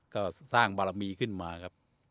ก็สร้างบารมีขึ้นมาครับ